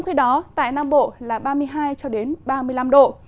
khi đó tại nam bộ là ba mươi hai ba mươi năm độ